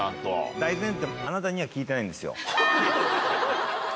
大前提であなたには聞いてないんですよ。